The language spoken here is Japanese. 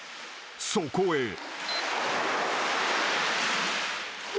［そこへ］